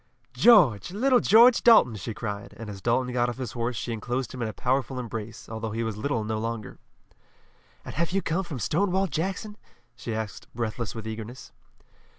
"George! Little George Dalton!" she cried, and as Dalton got off his horse she enclosed him in a powerful embrace, although he was little no longer. "And have you come from Stonewall Jackson?" she asked breathless with eagerness.